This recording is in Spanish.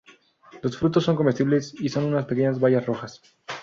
Los frutos son comestibles y son unas pequeñas bayas rojas.